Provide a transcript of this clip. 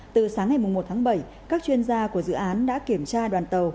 từ sáng ngày một tháng bảy các chuyên gia của dự án đã kiểm tra đoàn tàu